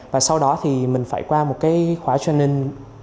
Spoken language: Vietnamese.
và sau đó thì mình phải qua một cái khóa traning